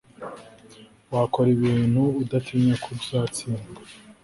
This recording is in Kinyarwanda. Wakora ibintu udatinya ko uzatsindwa